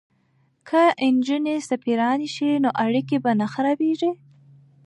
که نجونې سفیرانې شي نو اړیکې به نه خرابیږي.